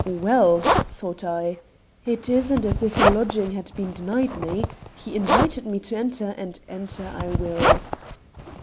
"Well!" thought I, "it isn't as if a lodging had been denied me. He invited me to enter, and enter I will."